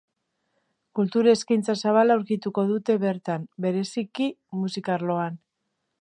Kultur eskaintza zabala aurkituko dute bertan, bereziki musika arloan.